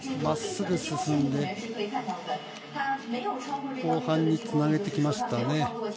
真っすぐ進んで後半につなげてきましたね。